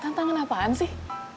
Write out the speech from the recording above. tantangan apaan sih